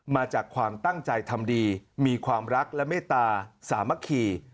มาจากความตั้งใจทำดีมีความรักและเมตตาสามัคคี